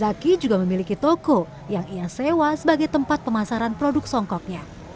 zaki juga memiliki toko yang ia sewa sebagai tempat pemasaran produk songkoknya